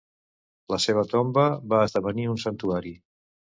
La seva tomba va esdevenir un santuari.